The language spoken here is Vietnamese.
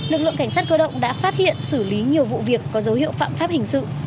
lực lượng cảnh sát cơ động đã phát hiện xử lý nhiều vụ việc có dấu hiệu phạm pháp hình sự